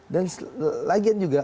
dan lagian juga